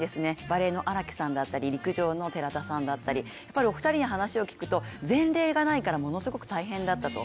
バレーの荒木さんだったり、陸上の寺田さんだったりお二人に話を聞くと前例がないからものすごく大変だったと。